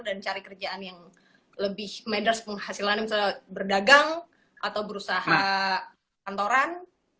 dan cari kerjaan yang lebih matters penghasilan misalnya berdagang atau berusaha kantoran